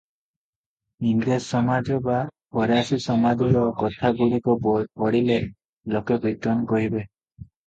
ଇଂରେଜ ସମାଜ ବା ଫରାସୀସମାଜର କଥାଗୁଡ଼ିକ ପଢ଼ିଲେ ଲୋକେ ବିଦ୍ୱାନ୍ କହିବେ ।